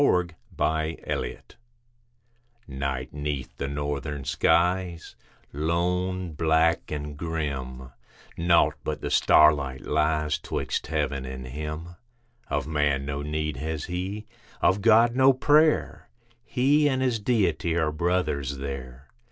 THE CAMPER Night 'neath the northern skies, lone, black, and grim: Naught but the starlight lies 'twixt heaven, and him. Of man no need has he, of God, no prayer; He and his Deity are brothers there.